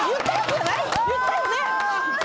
言ったよね？